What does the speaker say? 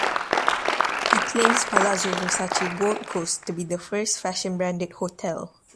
He claims Palazzo Versace Gold Coast to be the first fashion-branded hotel.